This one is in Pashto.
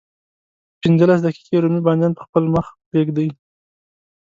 پنځلس دقيقې رومي بانجان په خپل مخ پرېږدئ.